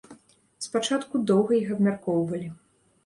Спачатку доўга іх абмяркоўвалі.